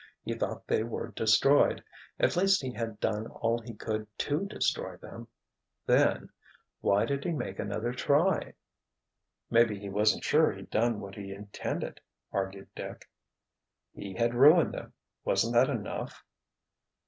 He thought they were destroyed—at least he had done all he could to destroy them. Then—why did he make another try?" "Maybe he wasn't sure he'd done what he intended," argued Dick. "He had ruined them! Wasn't that enough?"